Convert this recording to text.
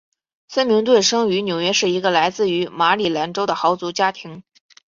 森明顿生于纽约市一个来自于马里兰州的豪族家庭。